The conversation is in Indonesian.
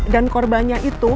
dan korbannya itu